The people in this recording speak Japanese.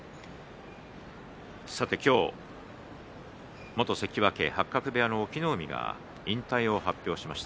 今日は元関脇八角部屋の隠岐の海が引退を発表しました。